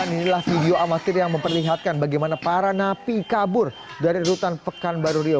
inilah video amatir yang memperlihatkan bagaimana para napi kabur dari rutan pekanbaru riau